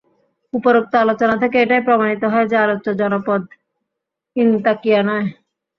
উপরোক্ত আলোচনা থেকে এটাই প্রমাণিত হয় যে, আলোচ্য জনপদ ইনতাকিয়া নয়।